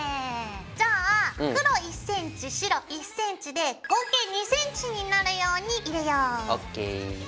じゃあ黒１センチ白１センチで合計２センチになるように入れよう。ＯＫ。